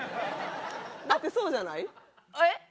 だってそうじゃない？え？